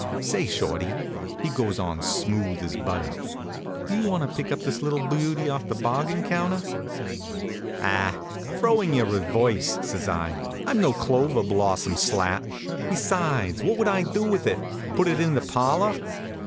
" Say, Shorty," he goes on, smooth as butter, " do you want to pick up this little beauty off the bargain counter? " HONK, HONK! "Ah, throw in your reverse!" says I. " I m no clover blossom, Slat. Besides, what would I do with it; put it in the par lor?"